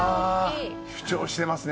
主張してますね